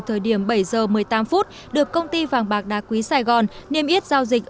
thời điểm bảy giờ một mươi tám phút được công ty vàng bạc đá quý sài gòn niêm yết giao dịch